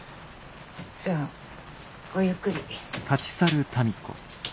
じゃあごゆっくり。